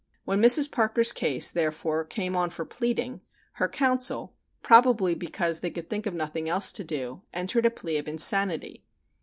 When Mrs. Parker's case, therefore, came on for pleading, her counsel, probably because they could think of nothing else to do, entered a plea of insanity.